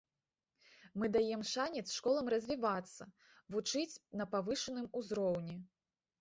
Мы даем шанец школам развівацца, вучыць на павышаным узроўні.